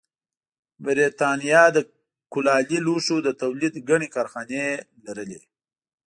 برېټانیا د کولالي لوښو د تولید ګڼې کارخانې لرلې